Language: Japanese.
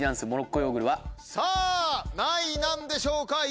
さぁ何位なんでしょうか？